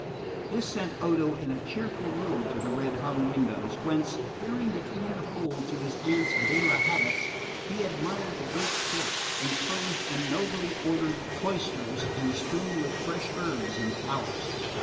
This sent Odo in a cheerful mood to the red hung windows, whence, peering between the folds of his aunts' gala habits, he admired the great court enclosed in nobly ordered cloisters and strewn with fresh herbs and flowers.